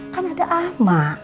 kan ada ama